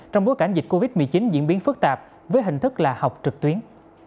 trong bối cảnh dịch covid một mươi chín diễn biến phức tạp với hình thức là học trực tuyến